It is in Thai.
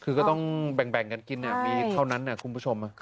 คือก็ต้องแบ่งแบ่งกันกินอ่ะใช่มีเท่านั้นอ่ะคุณผู้ชมค่ะ